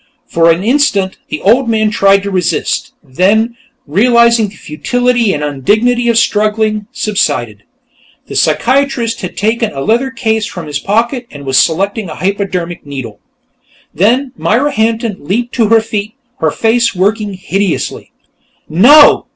For an instant, the old man tried to resist, then, realizing the futility and undignity of struggling, subsided. The psychiatrist had taken a leather case from his pocket and was selecting a hypodermic needle. Then Myra Hampton leaped to her feet, her face working hideously. "No!